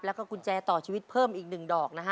แล้วก็กุญแจต่อชีวิตเพิ่มอีก๑ดอกนะฮะ